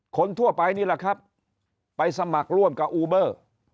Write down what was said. คนทั่วไปนี่แหละครับไปสมัครร่วมกับอูเบอร์